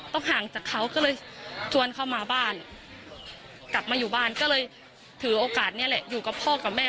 ห่างจากเขาก็เลยชวนเขามาบ้านกลับมาอยู่บ้านก็เลยถือโอกาสนี้แหละอยู่กับพ่อกับแม่